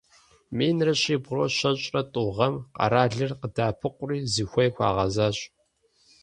Минрэ щибгъурэ щэщӏрэ тӏу гъэм къэралыр къадэӏэпыкъури, зыхуей хуагъэзащ.